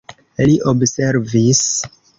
Li observis.